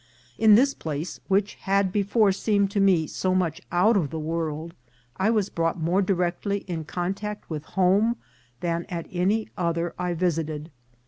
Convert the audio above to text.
In this place, which had before seemed to me so much out of the world, I was brought more directly in contact with home than at any other I visited.